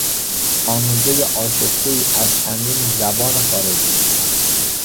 آمیزهی آشفتهای از چندین زبان خارجی